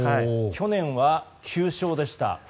去年は９勝でした。